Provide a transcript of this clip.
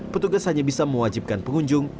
petugas hanya bisa mewajibkan pengunjung